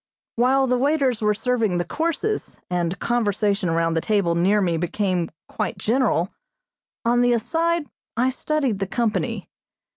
While the waiters were serving the courses, and conversation around the table near me became quite general, on the aside I studied the company.